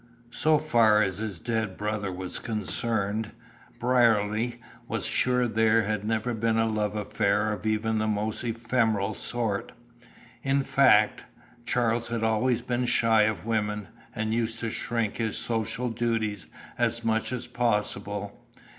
So far as his dead brother was concerned, Brierly was sure there had never been a love affair of even the most ephemeral sort. In fact, Charles had always been shy of women, and used to shirk his social duties as much as possible.